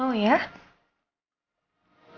kamu aja pergi sendiri